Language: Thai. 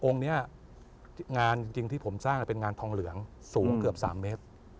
นี้งานจริงที่ผมสร้างเป็นงานทองเหลืองสูงเกือบ๓เมตร